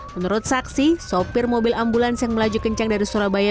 menurut saksi sopir mobil ambulans yang melaju kencang dari surabaya